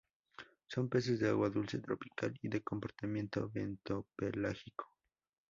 Son peces de agua dulce tropical y de comportamiento bentopelágico.